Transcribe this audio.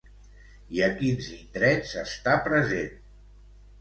I a quins indrets està present?